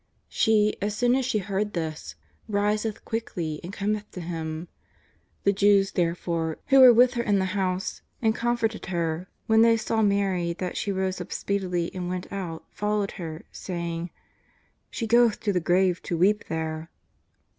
She, as soon as she heard this, riseth quickly and cometh to Him. The Jews, therefore, who were with her in the house and comforted her, when they saw Mary that she rose up speedily and went out, followed her, saying: " She goeth to the grave to weep there."